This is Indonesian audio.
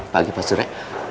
pagi pak surya